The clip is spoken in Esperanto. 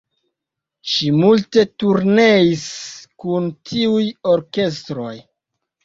Ŝi multe turneis kun tiuj orkestroj.